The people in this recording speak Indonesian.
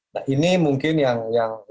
nah ini mungkin yang yang yang